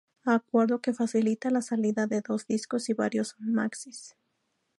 Acuerdo que facilita la salida de dos discos y varios maxis.